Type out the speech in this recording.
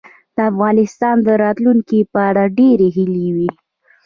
د افغانستان د راتلونکې په اړه ډېرې هیلې وې.